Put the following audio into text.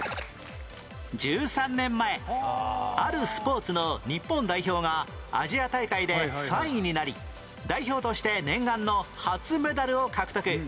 １３年前あるスポーツの日本代表がアジア大会で３位になり代表として念願の初メダルを獲得